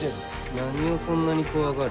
何をそんなに怖がる？